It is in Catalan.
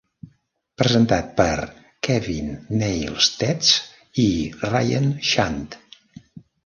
Presentat per Kevin Neils Tetz i Ryan Shand.